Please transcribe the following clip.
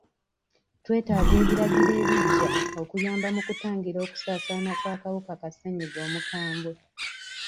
Twetaaga ebiragiro ebigya okuyamba mu kutangira okusaasaana kw'akawuka ka ssenyiga omukambwe.